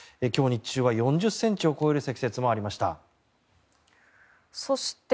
今日日中は４０ｃｍを超える積雪もありました。